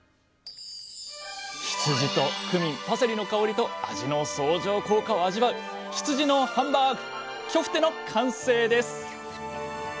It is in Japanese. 羊とクミンパセリの香りと味の相乗効果を味わう羊のハンバーグ「キョフテ」の完成です！